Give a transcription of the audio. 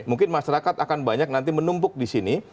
mungkin masyarakat akan banyak nanti menumpuk disini